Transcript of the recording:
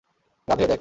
রাধে, দেখ।